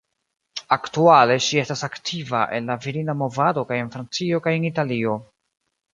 Aktuale, ŝi estas aktiva en la Virina Movado kaj en Francio kaj en Italio.